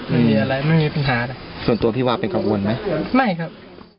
ไม่มีอะไรไม่มีปัญหานะส่วนตัวพี่ว่าเป็นกังวลไหมไม่ครับ